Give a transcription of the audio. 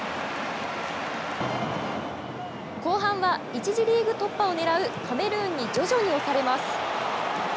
後半は１次リーグ突破をねらうカメルーンに徐々に押されます。